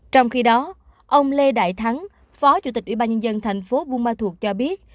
trong khi đó ông lê đại thắng phó chủ tịch ủy ban nhân dân thành phố buôn ma thuột cho biết